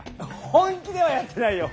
本気ではやってないよ！